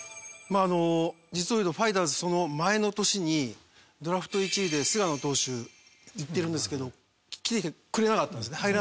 実を言うとファイターズその前の年にドラフト１位で菅野投手いってるんですけど来てくれなかったんですね。